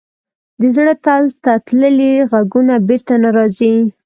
د زړه تل ته تللي ږغونه بېرته نه راځي.